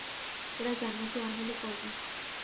এরা জান্নাতীদের আমলই করবে।